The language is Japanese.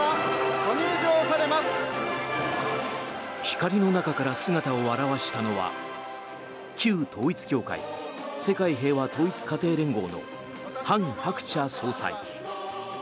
光の中から姿を現したのは旧統一教会世界平和統一家庭連合のハン・ハクチャ総裁。